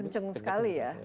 kenceng sekali ya